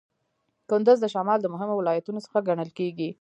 کندز د شمال د مهمو ولایتونو څخه ګڼل کیږي.